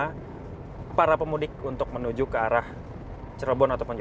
itu bisa menjaga kemampuan para pemudik untuk menuju ke arah cirebon atau jawa tengah